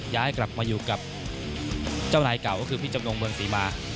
ย้ายกลับมาอยู่กับเจ้านายเก่าก็คือพี่จำนงเมืองศรีมา